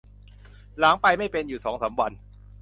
หลังไปไม่เป็นอยู่สองสามวัน